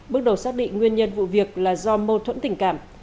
bước đầu xác định nguyên nhân vụ việc là do mâu thuẫn tình cảm